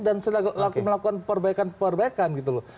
dan melakukan perbaikan perbaikan gitu loh